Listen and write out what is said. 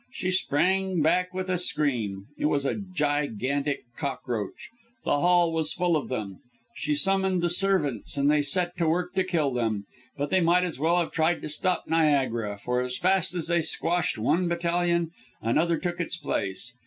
She sprang back with a scream. It was a gigantic cockroach. The hall was full of them. She summoned the servants, and they set to work to kill them. But they might as well have tried to stop Niagara, for as fast as they squashed one battalion, another took its place.